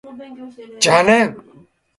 邪念